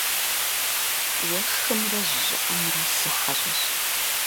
Уэшхымрэ жьы щӏыӏэмрэ си хьэщӏэщ.